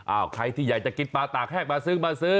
ใครที่อยากจะกินปลาตากแห้งมาซื้อมาซื้อ